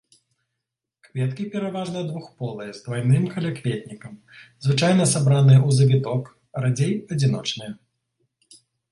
Кветкі пераважна двухполыя, з двайным калякветнікам, звычайна сабраныя ў завіток, радзей адзіночныя.